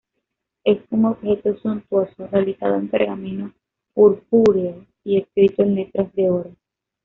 Es un objeto suntuoso, realizado en pergamino purpúreo y escrito en letras de oro.